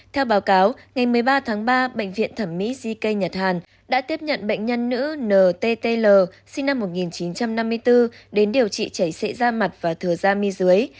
theo báo cáo ngày một mươi ba tháng ba bệnh viện thẩm mỹ jik nhật hàn đã tiếp nhận bệnh nhân nữ nttl sinh năm một nghìn chín trăm năm mươi bốn đến điều trị chảy xệ da mặt và thừa da mi dưới